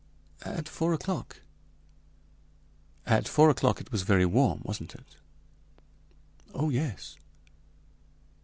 "At four o'clock." "At four o'clock it was very warm, wasn't it?" "Oh, yes!"